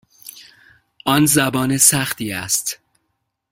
آن زبان سختی است.